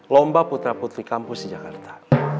lomba putra putri kampus di jakarta